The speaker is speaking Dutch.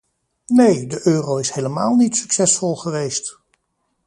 Nee, de euro is helemaal niet succesvol geweest.